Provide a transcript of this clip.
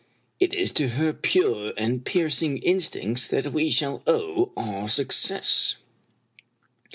If is to her pure and piercing instincts that we shall owe our success."